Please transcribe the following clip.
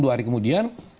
dua hari kemudian